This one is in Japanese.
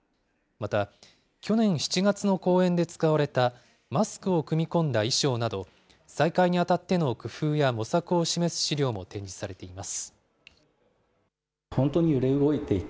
また、去年７月の公演で使われたマスクを組み込んだ衣装など、再開に当たっての工夫や模索を示す資料も展示されています。